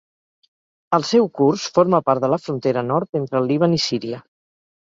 El seu curs forma part de la frontera nord entre el Líban i Síria.